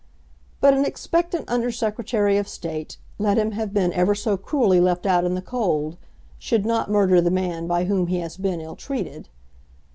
But an expectant Under Secretary of State, let him have been ever so cruelly left out in the cold, should not murder the man by whom he has been ill treated.